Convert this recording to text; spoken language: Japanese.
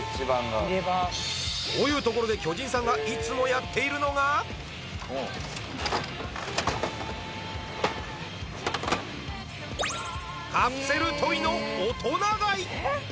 こういうところで巨人さんがいつもやっているのがカプセルトイの大人買い